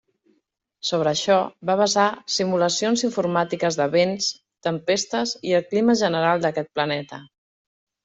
Sobre això va basar simulacions informàtiques de vents, tempestes i el clima general d'aquest planeta.